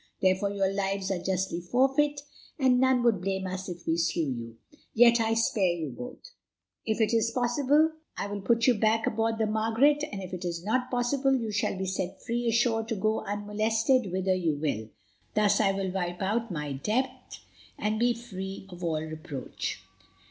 Therefore your lives are justly forfeit, and none would blame us if we slew you. Yet I spare you both. If it is possible I will put you back aboard the Margaret, and if it is not possible you shall be set free ashore to go unmolested whither you will. Thus I will wipe out my debt and be free of all reproach."